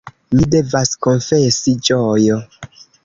Mi devas konfesi Ĝojo.